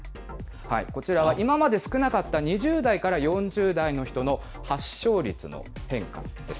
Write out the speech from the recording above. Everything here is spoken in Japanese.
こちらは今まで少なかった２０代から４０代の人の発症率の変化です。